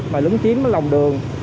mà lứng chiếm lòng đường